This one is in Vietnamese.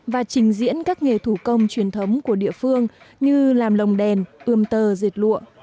và trình diễn các nghề thủ công truyền thống của địa phương như làm lồng đèn ươm tơ dệt lụa